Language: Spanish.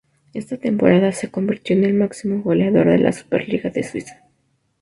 Esa temporada se convirtió en el máximo goleador de la Superliga de Suiza.